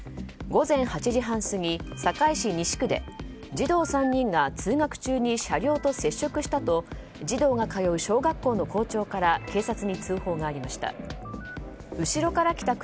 午前８時半過ぎ、堺市西区で児童３人が通学中に車両と接触したと児童が通う小学校の校長から警察に通報がありました。